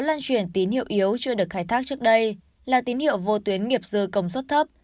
lan truyền tín hiệu yếu chưa được khai thác trước đây là tín hiệu vô tuyến nghiệp dư công suất thấp